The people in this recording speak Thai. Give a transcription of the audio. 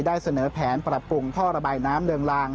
ได้เสนอแผนปรับปรุงท่อระบายน้ำเริงลาง